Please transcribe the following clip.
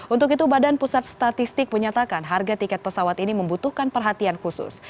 untuk itu badan pusat statistik menyatakan harga tiket pesawat ini membutuhkan perhatian khusus